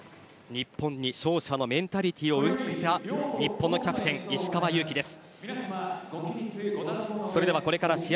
日本に勝者のメンタリティーを植え付けた日本のキャプテン・石川祐希です。